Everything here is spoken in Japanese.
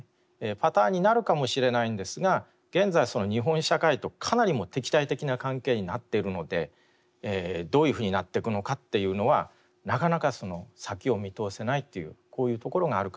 パターンになるかもしれないんですが現在日本社会とかなり敵対的な関係になっているのでどういうふうになっていくのかっていうのはなかなか先を見通せないっていうこういうところがあるかなと思います。